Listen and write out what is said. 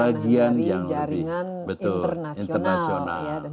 dari jaringan internasional